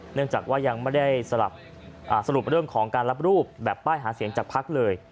เนื่องจากว่ายังไม่ได้สรุปเรื่องของการรับรูปแบบป้ายหาเสียงจากพักเลย